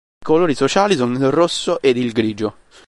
I colori sociali sono il rosso ed il grigio.